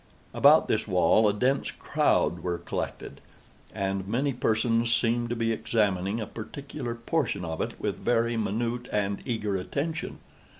About this wall a dense crowd were collected, and many persons seemed to be examining a particular portion of it with very minute and eager attention.